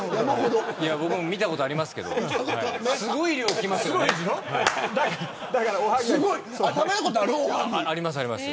僕も見たことありますけどすごい量が来ますよね。あります、あります。